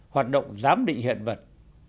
hoạt động giám định hiện vật